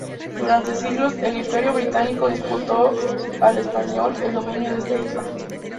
Durante siglos, el Imperio británico disputó al español el dominio de esta isla.